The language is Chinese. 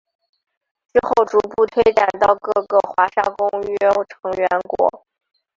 之后逐步推展到各个华沙公约成员国。